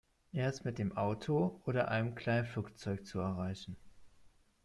Er ist mit dem Auto oder einem Kleinflugzeug zu erreichen.